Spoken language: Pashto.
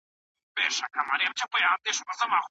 موږ باید د دې پوښتنې ځواب پیدا کړو چې ولې داسې کیږي.